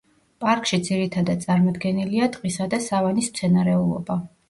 პარკში ძირითადად წარმოდგენილია ტყისა და სავანის მცენარეულობა.